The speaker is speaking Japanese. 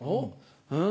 うん？